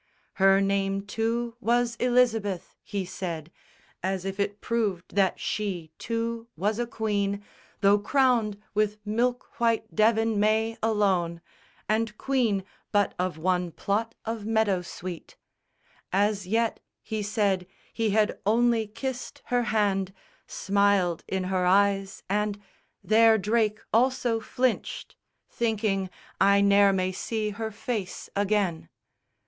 Her name, too, was Elizabeth, he said, As if it proved that she, too, was a queen, Though crowned with milk white Devon may alone, And queen but of one plot of meadow sweet. As yet, he said, he had only kissed her hand, Smiled in her eyes and there Drake also flinched, Thinking, "I ne'er may see her face again."